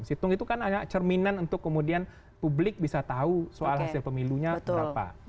situng itu kan hanya cerminan untuk kemudian publik bisa tahu soal hasil pemilunya berapa